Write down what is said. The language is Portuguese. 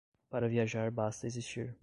Para viajar basta existir.